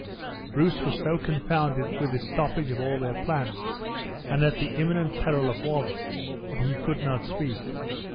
Bruce was so confounded with this stoppage of all their plans, and at the imminent peril of Wallace, that he could not speak.